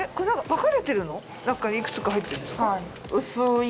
中にいくつか入ってるんですか？